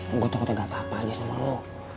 eh gue takut takut apa apa aja sama lo